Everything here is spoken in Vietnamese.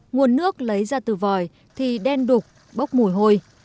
nguồn nước lấy ra từ vòi thì đen đục bốc mùi hôi